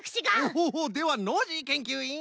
ほうほうではノージーけんきゅういん！